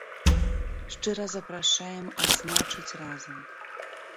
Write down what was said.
Шчыра запрашаем адзначыць разам.